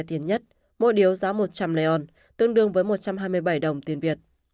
tiền nhất mỗi điếu giá một trăm linh non tương đương với một trăm hai mươi bảy đồng tiền việt